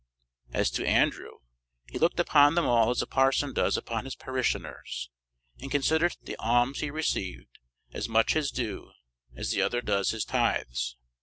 As to Andrew, he looked upon them all as a parson does upon his parishioners, and considered the alms he received as much his due as the other does his tithes.